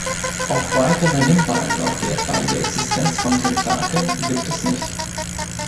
Auch weitere Hinweise auf die etwaige Existenz von Tentakeln gibt es nicht.